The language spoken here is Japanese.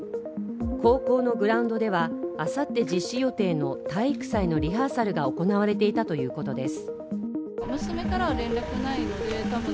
高校のグラウンドではあさって実施予定の体育祭のリハーサルが行われていたということです。